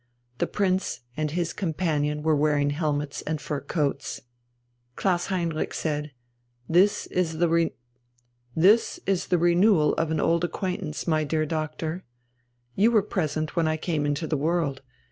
The Prince and his companion were wearing helmets and fur coats. Klaus Heinrich said: "This is the renewal of an old acquaintance, my dear doctor. You were present when I came into the world.